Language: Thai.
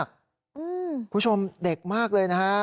คุณผู้ชมเด็กมากเลยนะฮะ